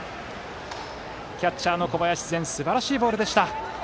キャッチャーの小林然すばらしいボールでした。